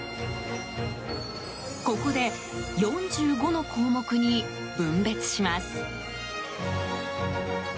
ここで４５の項目に分別します。